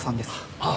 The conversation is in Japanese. ああ。